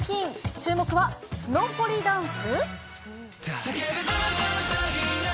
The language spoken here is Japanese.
注目は、スノホリダンス？